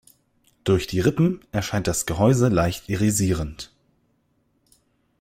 Durch die Rippen erscheint das Gehäuse leicht irisierend.